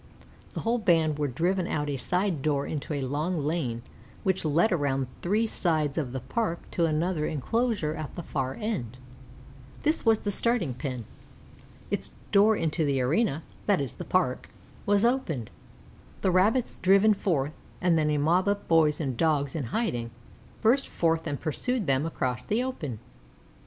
The whole band were driven out of a side door into a long lane which led around three sides of the Park to another inclosure at the far end. This was the Starting Pen. Its door into the arena that is, the Park was opened, the Rabbits driven forth, and then a mob of boys and Dogs in hiding, burst forth and pursued them across the open.